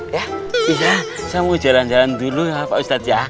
iya saya mau jalan jalan dulu ya pak ustadz ya